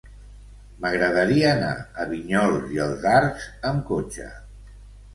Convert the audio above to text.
M'agradaria anar a Vinyols i els Arcs amb cotxe.